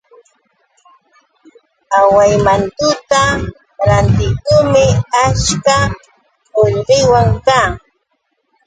Awaymantuta rantikurmi achka qullqiyuq kaa.